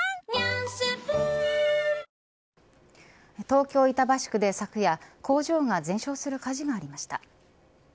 東京板橋区で昨夜工場が全焼する火事がありました。